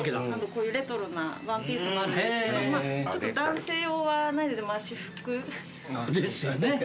こういうレトロなワンピースもあるんですけど男性用はないのでまあ私服。ですよね。